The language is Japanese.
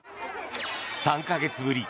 ３か月ぶり